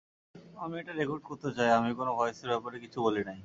আমি এটা রেকর্ড করতে চাই, আমি কোন ভয়েসের ব্যাপারে কিছু বলি নাই।